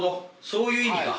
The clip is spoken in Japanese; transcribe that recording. そういう意味か。